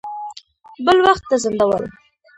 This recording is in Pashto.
بل وخت ته ځنډول.